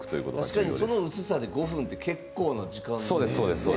確かにその薄さで５分って結構ですね。